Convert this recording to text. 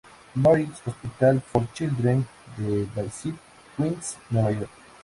Mary's Hospital for Children" de Bayside, Queens, Nueva York.